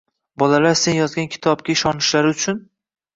Bolalar sen yozgan kitobga ishonishlari uchun